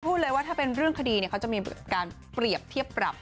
พูดเลยว่าถ้าเป็นเรื่องคดีเขาจะมีการเปรียบเทียบปรับ